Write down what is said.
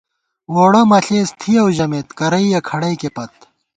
ووڑہ مَہ ݪېس تھِیَؤ ژَمېت، کرَئیَہ کھڑَئیکے پت